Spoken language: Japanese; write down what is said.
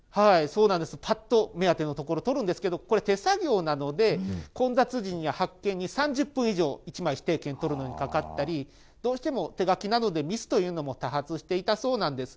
そうなんです、ぱっと目当てのところ取るんですけど、これ、手作業なので、混雑時に発見に３０分以上、１枚、指定券取るのにかかったり、どうしても、手書きなので、ミスというのも多発していたそうなんです。